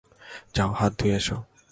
যাও হাত ধুয়ে এসো।